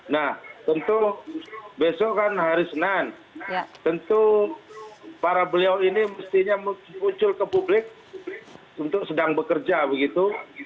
nah tentu besok kan hari senin tentu para beliau ini mestinya muncul ke publik untuk sedang bekerja begitu